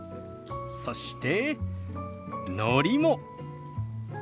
そしてのりも。